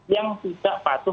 yang tidak patuh